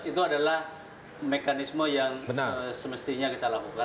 itu adalah mekanisme yang semestinya kita lakukan